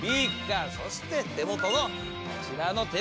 そして手元のこちらの。